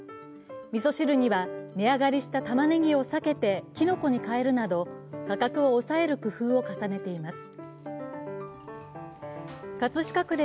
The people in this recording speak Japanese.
みそ汁には値上がりしたたまねぎを避けてきのこにかえるなど、価格を抑える工夫を重ねています。